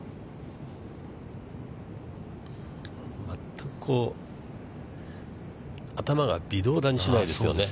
全く頭が微動だにしないですよね。